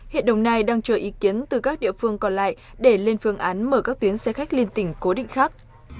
hiện đồng nai đang chờ ý kiến từ các địa phương còn lại để lên phương án mở các tuyến xe khách liên tỉnh cố định khác